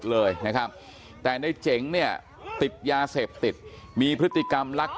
เลยนะครับแต่ในเจ๋งเนี่ยติดยาเสพติดมีพฤติกรรมลัก